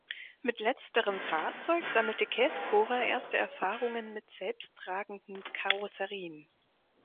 Mit letzterem Fahrzeug sammelte Kässbohrer erste Erfahrungen mit selbsttragenden Karosserien.